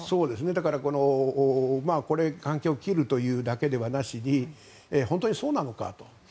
だから関係を切るという関係だけではなしに本当にそうなのかと。